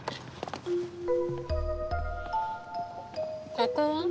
ここは？